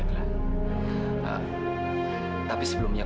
tapi sebelumnya kamu mau berbicara